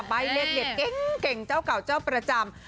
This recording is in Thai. ใบเลขเด็ดเก่งเจ้าเก่าเจ้าประจำ